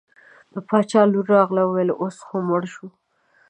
د باچا لور راغله وویل اوس خو مړ شو.